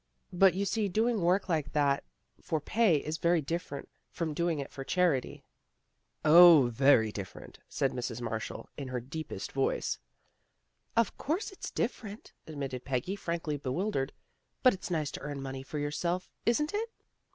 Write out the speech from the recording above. " But you see doing work like that for pay is very different from doing it for charity." " O, very different," said Mrs. Marshall hi her deepest voice. " Of course it's different," admitted Peggy, frankly bewildered. " But it's nice to earn money for yourself, isn't it?